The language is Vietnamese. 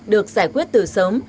được giải quyết từ sớm